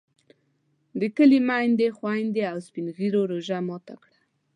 د کلي میندو، خویندو او سپین ږیرو روژه ماته کړه.